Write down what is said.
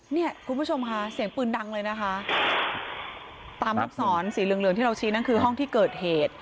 เนี่ยคุณผู้ชมค่ะเสียงปืนดังเลยนะคะตามลูกศรสีเหลืองเหลืองที่เราชี้นั่นคือห้องที่เกิดเหตุ